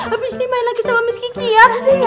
abis ini main lagi sama miss kiki ya